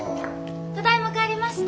ただいま帰りました。